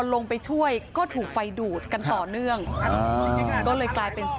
ลงไปช่วยก็ถูกไฟดูดกันต่อเนื่องก็เลยกลายเป็น